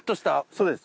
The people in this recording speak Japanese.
そうです。